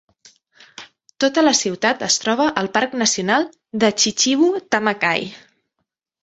Tota la ciutat es troba al Parc Nacional de Chichibu-Tama-Kai.